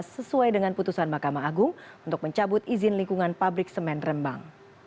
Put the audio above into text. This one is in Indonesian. sesuai dengan putusan mahkamah agung untuk mencabut izin lingkungan pabrik semen rembang